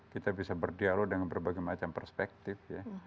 kita bisa berdialog dengan berbagai macam perspektif